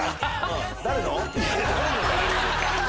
誰の？